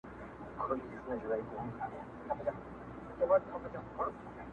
افغانستان وم سره لمبه دي کړمه,